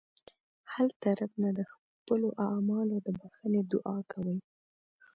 هلته رب نه د خپلو اعمالو د بښنې دعا کوئ.